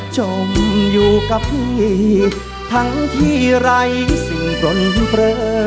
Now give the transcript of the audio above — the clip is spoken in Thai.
จมอยู่กับพี่ทั้งที่ไร้สิ่งปล้นเผลอ